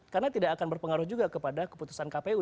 karena tidak akan berpengaruh juga kepada keputusan kpu